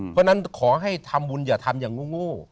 เพราะฉะนั้นขอให้ทำบุญอย่าทำอย่างโง่